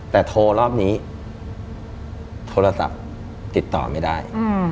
แต่โทรรอบนี้โทรศัพท์ติดต่อไม่ได้